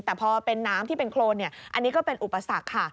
แต่พอเป็นน้ำที่เป็นโครนอันนี้ก็เป็นอุปสรรคค่ะ